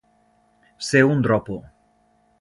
Ser un dropo.